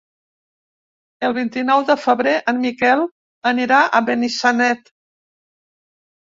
El vint-i-nou de febrer en Miquel anirà a Benissanet.